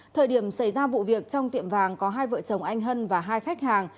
thời điểm xảy ra vụ việc trong tiệm vàng có hai vợ chồng anh hân và hai khách hàng